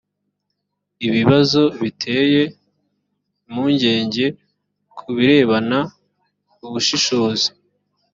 ibibazo biteye impungenge ku birebana ubushishozi